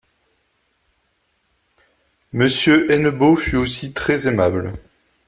Monsieur Hennebeau fut aussi très aimable.